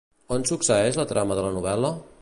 On succeeix la trama de la novel·la?